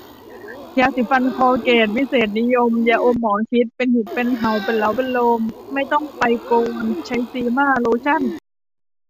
ยาสีฟันคอลเกต วิเศษนิยม ยาอมหมอชิต เป็นหิดเป็น เหา เป็นเลาเป็นโลน ไม่ต้องไปโกน ใช้ซีม่าโลชั่น